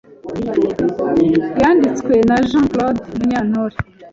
yanditswe na jean claude munyantore